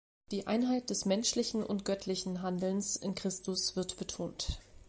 Die Einheit des menschlichen und göttlichen Handelns in Christus wird betont.